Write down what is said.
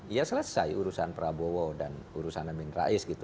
ya selesai urusan prabowo dan urusan amin rais gitu